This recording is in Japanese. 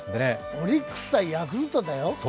オリックス対ヤクルトだよ。